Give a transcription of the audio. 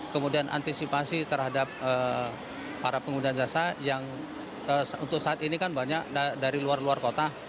kemudian antisipasi terhadap para pengguna jasa yang untuk saat ini kan banyak dari luar luar kota